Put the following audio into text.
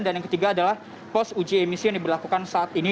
dan yang ketiga adalah pos uji emisi yang diberlakukan saat ini